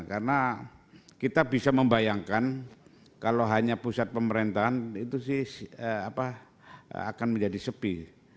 karena kita bisa membayangkan kalau hanya pusat pemerintahan itu sih akan menjadi sepi